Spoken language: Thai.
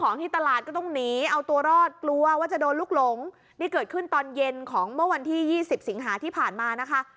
นี่เกิดขึ้นตอนเย็นของเมื่อวันที่๒๐สิงหาที่ผ่านมานะคะ